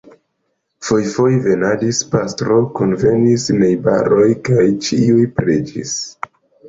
Fojfoje venadis pastro, kunvenis najbaroj kaj ĉiuj preĝis.